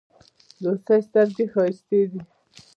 د هوسۍ ستړگي ښايستې دي.